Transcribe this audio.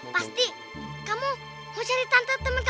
waktu bunda dari selalu kibat